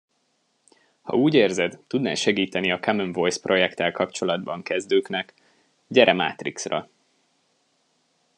Ha úgy érzed, tudnál segíteni a Common Voice projekttel kapcsolatban kezdőknek, gyere Matrix-ra!